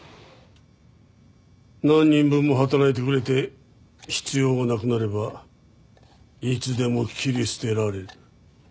何人分も働いてくれて必要がなくなればいつでも切り捨てられる。